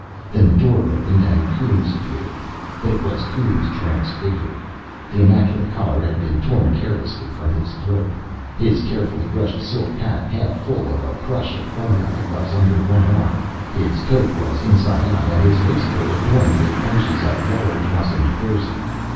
Then the door opened and Coombes appeared. But it was Coombes transfigured. The immaculate collar had been torn carelessly from his throat. His carefully brushed silk hat, half full of a crush of fungi, was under one arm; his coat was inside out, and his waistcoat adorned with bunches of yellow blossomed furze.